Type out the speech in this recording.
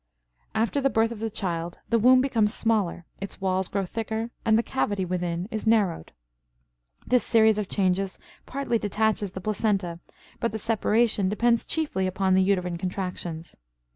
After the birth of the child the womb becomes smaller, its walls grow thicker, and the cavity within is narrowed. This series of changes partly detaches the placenta, but the separation depends chiefly upon the uterine contractions.